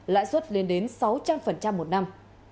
lãi suất lên đến sáu trăm linh một năm